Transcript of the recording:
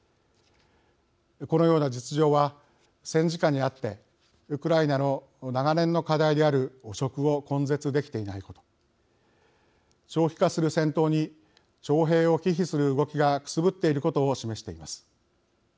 このような実情は戦時下にあってウクライナの長年の課題である汚職を根絶できていないこと長期化する戦闘に徴兵を忌避する動きがくすぶっていることを示しています。